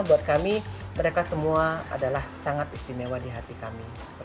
buat kami mereka semua adalah sangat istimewa di hati kami